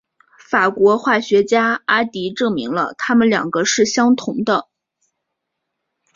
法国化学家阿迪证明了它们两个是相同的。